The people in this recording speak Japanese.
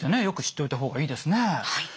よく知っておいた方がいいですね。